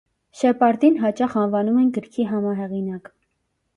Շեպարդին հաճախ անվանում են գրքի համահեղինակ։